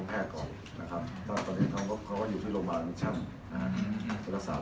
ตอนนี้เขาก็อยู่ที่โรงพยาบาลแน็กชั่น